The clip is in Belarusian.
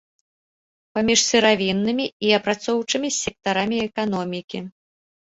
Паміж сыравіннымі і апрацоўчымі сектарамі эканомікі.